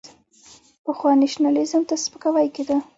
پخوا نېشنلېزم ته سپکاوی کېده.